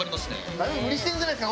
だいぶ無理してるんじゃないですか？